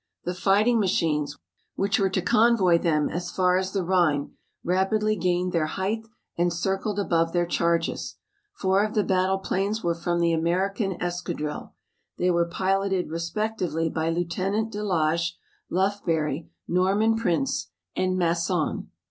The fighting machines, which were to convoy them as far as the Rhine, rapidly gained their height and circled above their charges. Four of the battleplanes were from the American escadrille. They were piloted respectively by Lieutenant de Laage, Lufbery, Norman Prince, and Masson.